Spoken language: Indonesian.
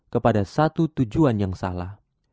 kepada satu tujuan yang salah